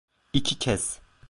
İki kez.